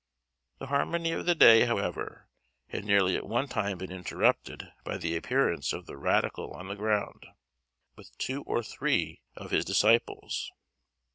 The harmony of the day, however, had nearly at one time been interrupted by the appearance of the radical on the ground, with two or three of his disciples.